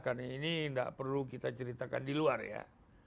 karena ini gak perlu kita ceritakan di luar ya